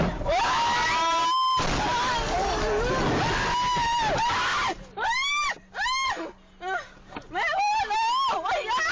ไม่พูดลูกอย่าไม่เป็นไรนะลูก